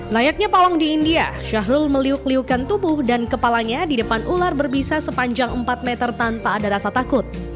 layaknya pawang di india syahrul meliuk liukan tubuh dan kepalanya di depan ular berbisa sepanjang empat meter tanpa ada rasa takut